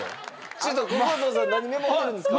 ちょっと小公造さん何メモってるんですか？